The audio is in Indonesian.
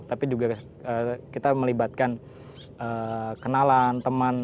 tapi juga kita melibatkan kenalan teman